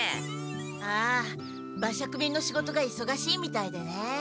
ああ馬借便の仕事がいそがしいみたいでね。